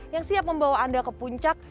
yang siap membawa anda ke puncak